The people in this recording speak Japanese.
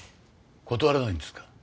断れないんですか？